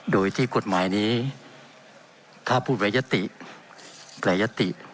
โดยที่กฎหมายนี้ถ้าพูดระยะติหลายยติ